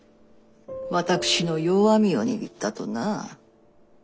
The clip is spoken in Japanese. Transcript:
私の弱みを握ったとな。